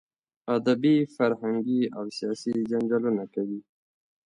ادبي، فرهنګي او سیاسي جنجالونه کوي.